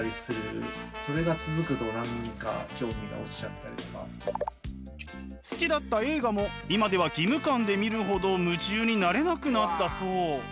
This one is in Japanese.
捨てるに捨てられない好きだった映画も今では義務感で見るほど夢中になれなくなったそう。